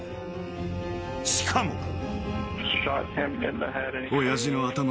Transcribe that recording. ［しかも］